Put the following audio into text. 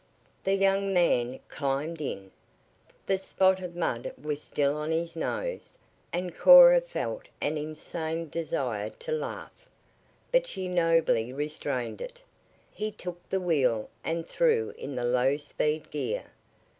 The young man climbed in. The spot of mud was still on his nose, and Cora felt an insane desire to laugh. But she nobly restrained it. He took the wheel and threw in the low speed gear.